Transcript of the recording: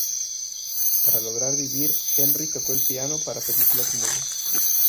Para lograr vivir, Henri tocó el piano para películas mudas.